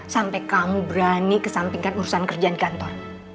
sampai kamu berani kesampingkan urusan kerja di kantor